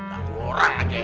aku orang aja